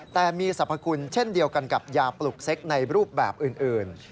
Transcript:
แต่มีสรรพคุณเช่นเดียวกันกับยาปลุกเซ็กในรูปแบบอื่น